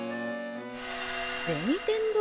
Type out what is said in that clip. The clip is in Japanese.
銭天堂？